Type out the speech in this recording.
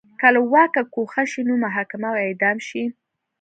که له واکه ګوښه شي نو محاکمه او اعدام شي